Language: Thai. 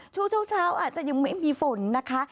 ช่วงเช้าอาจจะยังไม่มีฝนนะคะ